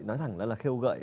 nói thẳng là khêu gợi